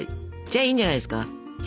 じゃあいいんじゃないですか。